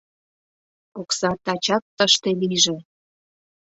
Окса тачак тыште лийже!..